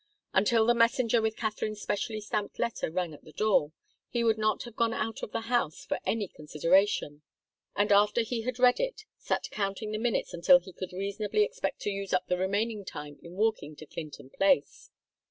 Until the messenger with Katharine's specially stamped letter rang at the door, he would not have gone out of the house for any consideration, and after he had read it he sat counting the minutes until he could reasonably expect to use up the remaining time in walking to Clinton Place.